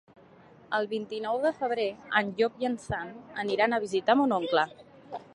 El vint-i-nou de febrer en Llop i en Sam aniran a visitar mon oncle.